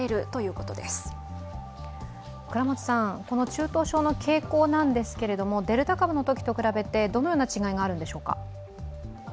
この中等症の傾向なんですけれども、デルタ株と比べてどのような違いがあるのでしょうか？